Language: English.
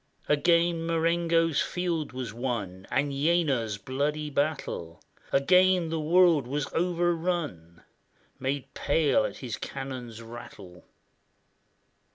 Again Marengo's field was won, And Jena's bloody battle; Again the world was overrun, Made pale at his cannon's rattle.